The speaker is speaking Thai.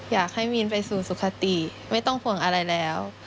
อยากให้มีนไปสู่สุขติไม่ต้องห่วงอะไรแล้ว